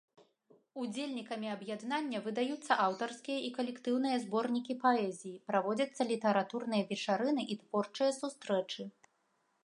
Удзельнікамі аб'яднання выдаюцца аўтарскія і калектыўныя зборнікі паэзіі, праводзяцца літаратурныя вечарыны і творчыя сустрэчы.